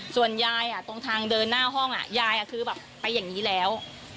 ส่วนยายตรงทางเดินหน้าห้องยายคือแบบไปอย่างนี้แล้ว